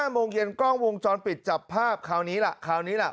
โมงเย็นกล้องวงจรปิดจับภาพคราวนี้ล่ะคราวนี้ล่ะ